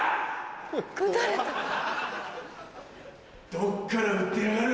どっから撃ってやがる。